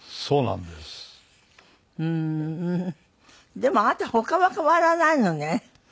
でもあなた他は変わらないのね。